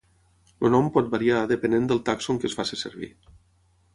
El nom pot variar depenent del tàxon que es faci servir.